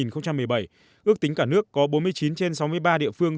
ước tính cả nước có bốn mươi chín trên sáu mươi ba địa phương